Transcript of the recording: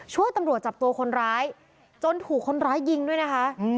ช่วยตำรวจจับตัวคนร้ายจนถูกคนร้ายยิงด้วยนะคะ